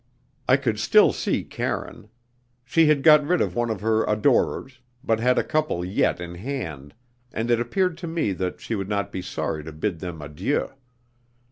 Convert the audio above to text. I could still see Karine. She had got rid of one of her adorers, but had a couple yet in hand, and it appeared to me that she would not be sorry to bid them adieu.